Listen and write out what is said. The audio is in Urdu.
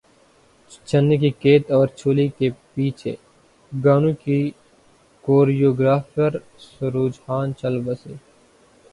چنے کے کھیت اور چولی کے پیچھے گانوں کی کوریوگرافر سروج خان چل بسیں